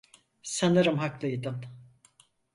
Sanırım haklıydın.